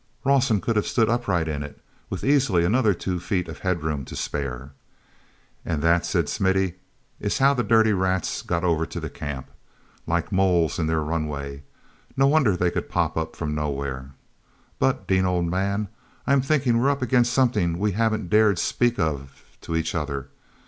Rawson could have stood upright in it with easily another two feet of headroom to spare. "And that," said Smithy, "is how the dirty rats got over to the camp. Like moles in their runway. No wonder they could pop up from nowhere. But, Dean, old man, I'm thinkin' we're up against something we haven't dared speak of to each other.